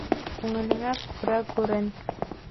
Күңелеңә күрә гүрең.